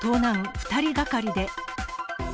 ２人がかりで。